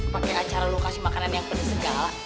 pake acara lo kasih makanan yang pedes segala